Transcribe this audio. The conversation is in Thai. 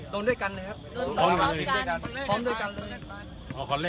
สวัสดีครับทุกคนขอบคุณครับทุกคน